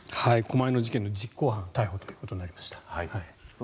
狛江の事件の実行犯が逮捕ということになりました。